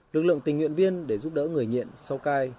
lực lượng tình nguyện viên để giúp đỡ người nghiện sau cai